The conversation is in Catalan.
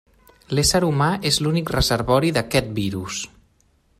L'ésser humà és l'únic reservori d'aquest virus.